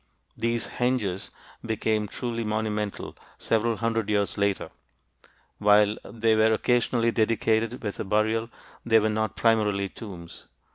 These "henges" became truly monumental several hundred years later; while they were occasionally dedicated with a burial, they were not primarily tombs.